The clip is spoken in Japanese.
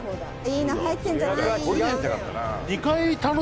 「いいの入ってるんじゃない？」